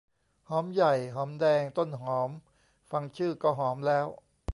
หอมใหญ่ หอมแดง ต้นหอม ฟังชื่อก็หอมแล้ว